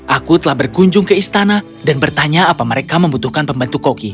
aku telah berkunjung ke istana dan bertanya apa mereka membutuhkan pembantu koki